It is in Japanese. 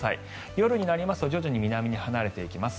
夜になりますと徐々に南に離れていきます。